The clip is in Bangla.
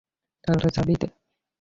তাহলে চাবি দে।